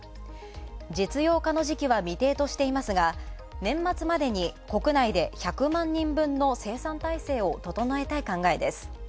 実用化の時期は未定としていますが、年末までに国内で１００万人分の生産を整えたい考えです。